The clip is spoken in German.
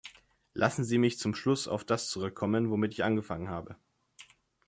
Lassen Sie mich zum Schluss auf das zurückkommen, womit ich angefangen habe.